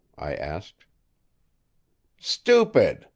I asked. "Stupid!